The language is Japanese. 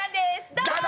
どうぞ！